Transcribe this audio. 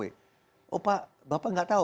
oh pak bapak nggak tahu